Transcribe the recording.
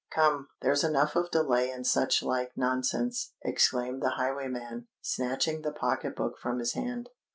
"Come—there's enough of delay and such like nonsense," exclaimed the highwayman, snatching the pocket book from his hand.